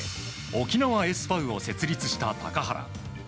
沖縄ＳＶを設立した高原。